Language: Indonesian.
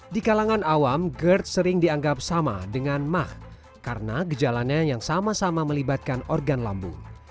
di kalangan awam gerd sering dianggap sama dengan mah karena gejalanya yang sama sama melibatkan organ lambung